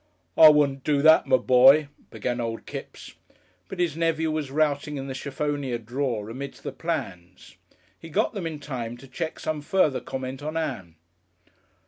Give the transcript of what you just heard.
"I wouldn't do that, my boy," began old Kipps, but his nephew was routing in the cheffonier drawer amidst the plans. He got them in time to check some further comment on Ann.